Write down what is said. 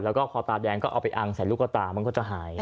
แล้วก็คอตาแดงก็เอาไปอังใส่ลูกกระตามันก็จะหาย